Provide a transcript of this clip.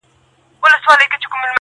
• د دې پردیو له چیناره سره نه جوړیږي -